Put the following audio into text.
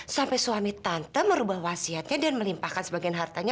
sampai suami tante merubah wasiatnya dan melimpahkan sebagian hartanya